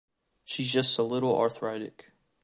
She's just a little arthritic.